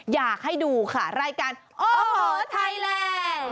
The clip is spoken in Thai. อยากให้ดูค่ะรายการโอ้โหไทยแลนด์